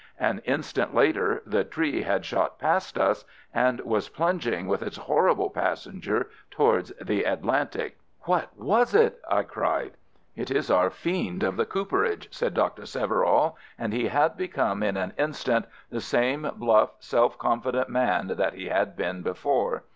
An instant later the tree had shot past us and was plunging with its horrible passenger towards the Atlantic. "What was it?" I cried. "It is our fiend of the cooperage," said Dr. Severall, and he had become in an instant the same bluff, self confident man that he had been before.